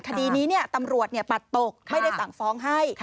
คดีนี้ตำรวจปัดตกไม่ได้สั่งฟ้องให้